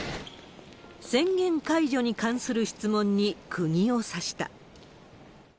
宣言解除に関する質問にくぎを刺した。